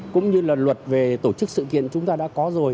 cũng như là luật về tổ chức sự kiện chúng ta đã có rồi